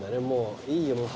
もういいよ